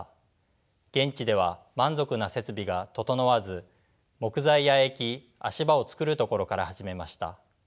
現地では満足な設備が整わず木材屋へ行き足場を作るところから始めました。